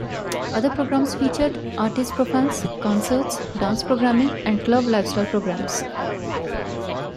Other programs featured artist profiles, concerts, dance programming, and club lifestyle programs.